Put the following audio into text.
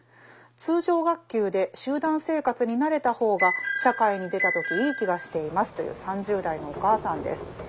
通常学級で集団生活に慣れた方が社会に出た時いい気がしています」という３０代のお母さんです。